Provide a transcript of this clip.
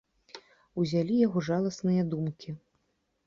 Узялі яго жаласныя думкі.